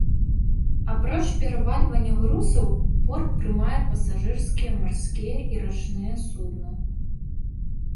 Апроч перавальвання грузаў порт прымае пасажырскія марскія і рачныя судны.